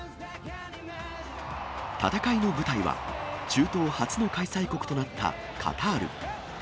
戦いの舞台は、中東初の開催国となったカタール。